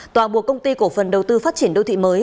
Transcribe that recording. tòa buộc công ty cổ phần đầu tư phát triển đô thị mới